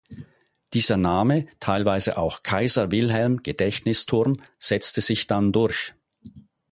Dieser Name, teilweise auch "Kaiser-Wilhelm-Gedächtnisturm", setzte sich dann durch.